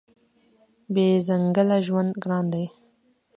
بې ځنګله ژوند ګران دی.